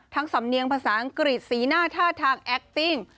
สำเนียงภาษาอังกฤษสีหน้าท่าทางแอคติ้ง